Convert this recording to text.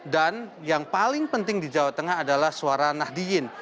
yang paling penting di jawa tengah adalah suara nahdiyin